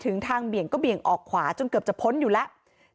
แต่แท็กซี่เขาก็บอกว่าแท็กซี่ควรจะถอยควรจะหลบหน่อยเพราะเก่งเทาเนี่ยเลยไปเต็มคันแล้ว